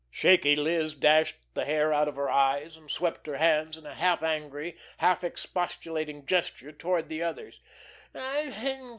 Shaky Liz dashed the hair out of her eyes, and swept her hands in a half angry, half expostulating gesture toward the others.